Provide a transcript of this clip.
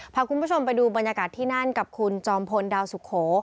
พาคุณผู้ชมไปดูบรรยากาศที่นั่นกับคุณจอมพลดาวสุโข